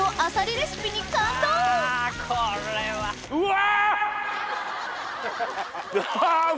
これは！うわ！